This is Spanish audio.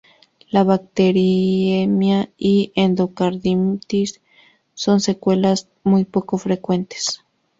La bacteriemia y endocarditis son secuelas muy poco frecuentes.